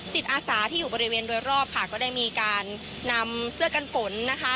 อาสาที่อยู่บริเวณโดยรอบค่ะก็ได้มีการนำเสื้อกันฝนนะคะ